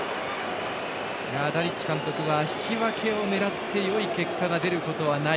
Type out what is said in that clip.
ダリッチ監督は引き分けを狙ってよい結果が出ることはない。